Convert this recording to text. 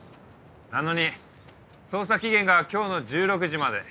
なのに捜査期限が今日の１６時まで。